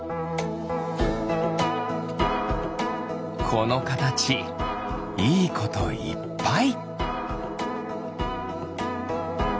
このかたちいいこといっぱい。